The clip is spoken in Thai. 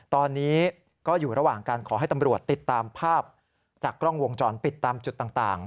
ตอนนี้ก็อยู่ระหว่างการขอให้ตำรวจติดตามภาพจากกล้องวงจรปิดตามจุดต่าง